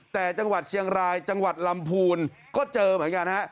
แต่จังหวัดเชียงรายจังหวัดลำพูนก็เจอเหมือนกันฮะ